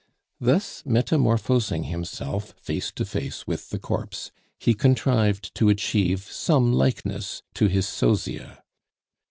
Thus metamorphosing himself face to face with the corpse, he contrived to achieve some likeness to his Sosia.